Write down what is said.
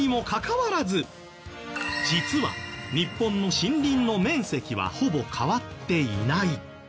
実は日本の森林の面積はほぼ変わっていない。